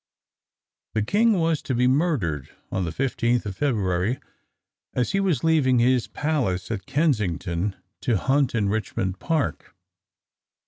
The king was to be murdered on the 15th of February, as he was leaving his palace at Kensington to hunt in Richmond Park.